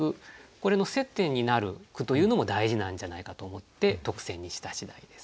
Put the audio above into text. これの接点になる句というのも大事なんじゃないかと思って特選にした次第です。